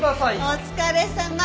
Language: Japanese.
お疲れさま。